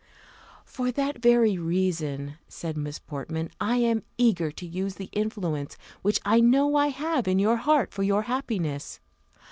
"For that very reason," said Miss Portman, "I am eager to use the influence which I know I have in your heart for your happiness.